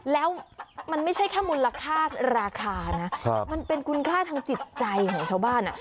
แล้วมันไม่ใช่แค่มูลค่าราคานะมันเป็นคุณค่าทางจิตใจของชาวบ้าน